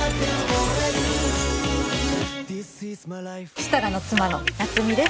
設楽の妻の夏美です。